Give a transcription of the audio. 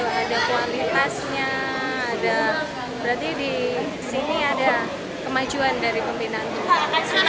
ada kualitasnya ada berarti di sini ada kemajuan dari pembinaan tuhan